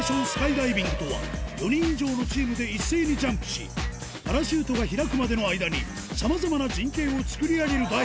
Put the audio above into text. スカイダイビングとは４人以上のチームで一斉にジャンプしパラシュートが開くまでの間にさまざまな陣形を作り上げる